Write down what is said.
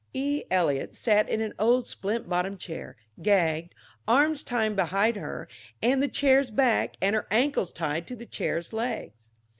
E. Eliot sat in an old splint bottomed chair gagged, arms tied behind her and to the chair's back, and her ankles tied to the chair's legs.